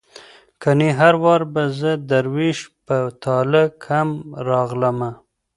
کنې هر وار به زه دروېش په تاله کم راغلمه